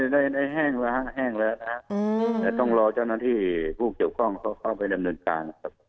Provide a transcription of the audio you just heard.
ตอนนี้ได้แห้งแล้วนะครับแต่ต้องรอเจ้าน้ำที่ผู้เกี่ยวกล้องเข้าไปดำเนินการนะครับ